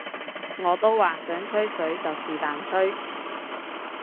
我都話想吹水就是但吹